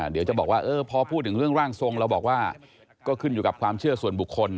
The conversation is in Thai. เดี๋ยวจะบอกว่าพอพูดถึงเรื่องร่างทรงเราบอกว่าก็ขึ้นอยู่กับความเชื่อส่วนบุคคล